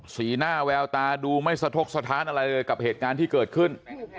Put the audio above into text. สีหน้าแววตาดูไม่สะทกสถานอะไรเลยกับเหตุการณ์ที่เกิดขึ้น